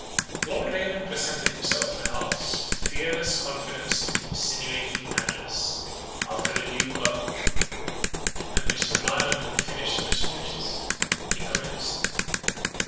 Lord Raymond presented himself to the house with fearless confidence and insinuating address. After the Duke of——and Mr. Ryland had finished their speeches, he commenced.